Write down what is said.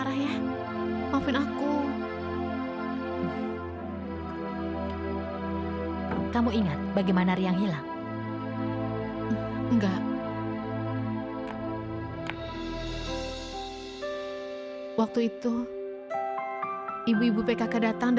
sampai jumpa di video selanjutnya